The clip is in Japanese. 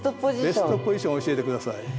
ベストポジションを教えてください。